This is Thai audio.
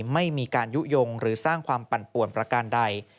ไม่มีการยุโยงหรือสร้างความปั่นป่วนประการใด